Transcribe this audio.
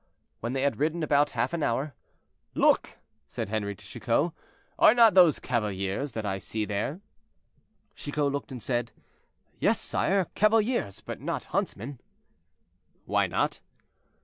When they had ridden about half an hour— "Look," said Henri to Chicot, "are not those cavaliers that I see there?" Chicot looked and said, "Yes, sire, cavaliers, but not huntsmen." "Why not?"